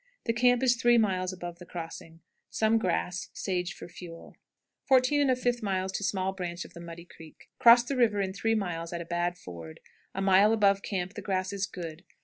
The camp is three miles above the crossing. Some grass; sage for fuel. 14 1/5. Small Branch of the Muddy Creek. Cross the river in three miles at a bad ford. A mile above camp the grass is good.